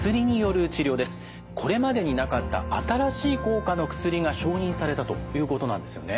これまでになかった新しい効果の薬が承認されたということなんですよね。